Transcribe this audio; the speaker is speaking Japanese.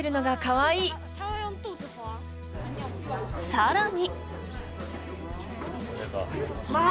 更に。